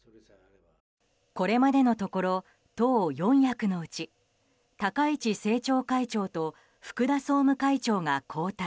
これまでのところ党四役のうち高市政調会長と福田総務会長が交代。